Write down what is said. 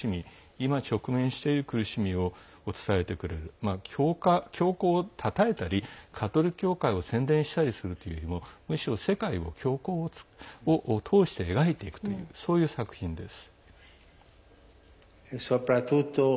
今、直面している苦しみを伝えてくる、教皇をたたえたりカトリック教会を宣伝するというよりもむしろ世界を教皇を通して描いているというそういう作品です。